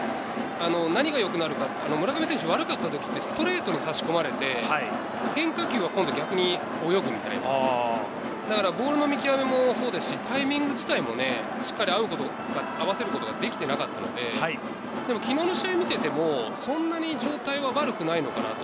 何が良くなるか、村上選手、悪かった時はストレートに差し込まれて、変化球が逆に泳ぐみたいな、ボールの見極めもそうですし、タイミング自体もしっかり合わせることができていなかったんで、昨日の試合を見ていても、そんなに状態は悪くないのかなと。